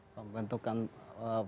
membentukkan panitia dewan nasional